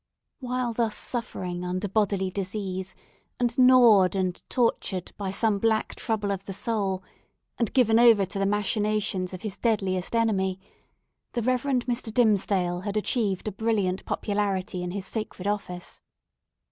While thus suffering under bodily disease, and gnawed and tortured by some black trouble of the soul, and given over to the machinations of his deadliest enemy, the Reverend Mr. Dimmesdale had achieved a brilliant popularity in his sacred office.